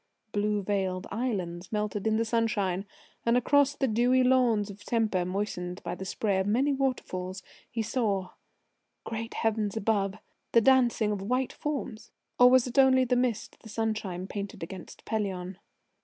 Blue veiled islands melted in the sunshine, and across the dewy lawns of Tempe, moistened by the spray of many waterfalls, he saw Great Heavens above! the dancing of white forms ... or was it only mist the sunshine painted against Pelion?...